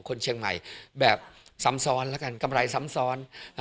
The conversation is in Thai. คนเชียงใหม่แบบกำไรซ้ำซ้อน